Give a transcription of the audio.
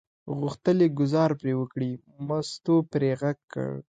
غوښتل یې ګوزار پرې وکړي، مستو پرې غږ وکړ.